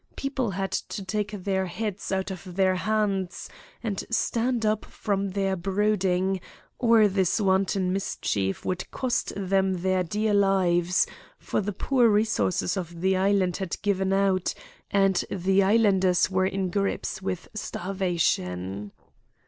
People had to take their heads out of their hands, and stand up from their brooding, or this wanton mischief would cost them their dear lives, for the poor resources of the Island had given out, and the Islanders were in grips with starvation.